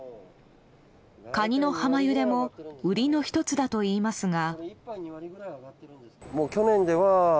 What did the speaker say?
カニの浜ゆでも売りの１つだといいますが。